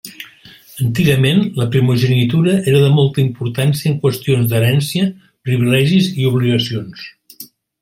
Antigament la primogenitura era de molta importància en qüestions d'herència, privilegis i obligacions.